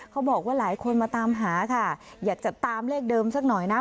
เขาบอกว่าหลายคนมาตามหาค่ะอยากจะตามเลขเดิมสักหน่อยนะ